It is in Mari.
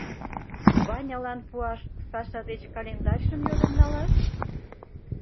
Ванялан пуаш Саша деч календарьжым йодын налаш?